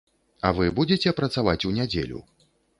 А вы будзеце працаваць у нядзелю?